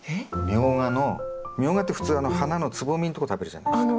ミョウガのミョウガって普通あの花のつぼみのとこ食べるじゃないですか。